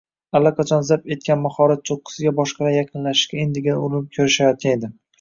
allaqachon zabt etgan mahorat cho‘qqisiga boshqalar yaqinlashishga endigina urinib ko‘rishayotgan edi.